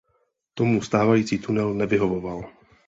Tomu stávající tunel nevyhovoval.